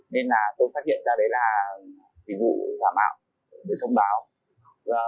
nên tôi phát hiện ra đấy là tỷ vụ ra mạo để thông báo